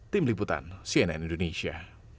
tim liputan cnn indonesia